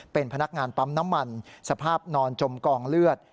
เป็นพนักงานปั๊มน้ำมันสภาพนอนจมกองเลือด